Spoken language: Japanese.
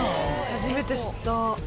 初めて知った。